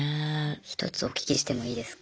１つお聞きしてもいいですか？